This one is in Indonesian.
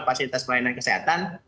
fasilitas pelayanan kesehatan